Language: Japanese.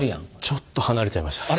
ちょっと離れちゃいましたね。